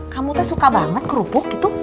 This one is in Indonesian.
kamu tuh suka banget kerupuk gitu